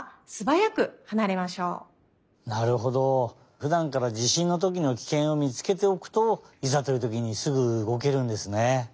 ふだんから地しんのときのキケンをみつけておくといざというときにすぐうごけるんですね。